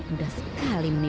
mudah sekali ya